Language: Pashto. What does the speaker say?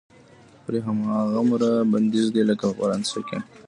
پرې هماغومره بندیز دی لکه په فرانسه کې.